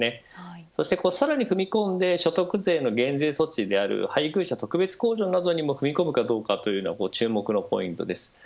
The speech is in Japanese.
そしてさらに踏み込んで所得税の減税措置である配偶者特別控除などにも踏み込むかどうかというのは注目のポイントです。